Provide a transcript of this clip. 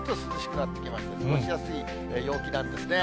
なってきまして、過ごしやすい陽気なんですね。